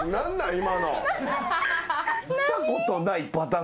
今の。